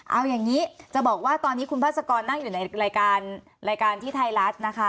เอาอย่างนี้จะบอกว่าตอนนี้คุณพาสกรนั่งอยู่ในรายการรายการที่ไทยรัฐนะคะ